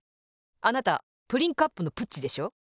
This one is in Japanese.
あなたプリンカップのプッチでしょ？